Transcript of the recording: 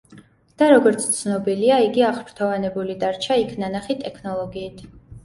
და როგორც ცნობილია, იგი აღფრთოვანებული დარჩა იქ ნანახი ტექნოლოგიით.